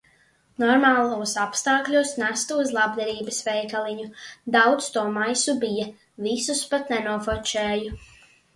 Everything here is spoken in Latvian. Normālos apstākļos nestu uz labdarības veikaliņu. Daudz to maisu bija, visus pat nenofočēju.